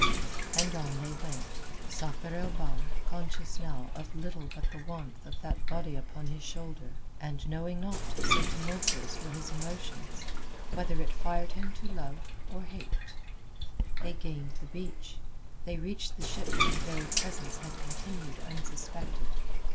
And on they went, Sakr el Bahr conscious now of little but the warmth of that body upon his shoulder, and knowing not, so tumultuous were his emotions, whether it fired him to love or hate. They gained the beach; they reached the ship whose very presence had continued unsuspected.